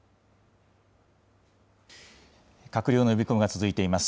閣僚の呼び込みが続いています。